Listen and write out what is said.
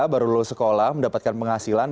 baru lulus sekolah mendapatkan penghasilan